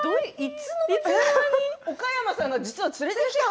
岡山さんが実は連れてきた？